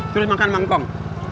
terus makan mangkong